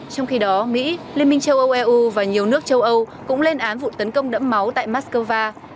trong khi đó mỹ liên minh châu âu eu và nhiều nước châu âu cũng lên án vụ tấn công đẫm máu tại moscow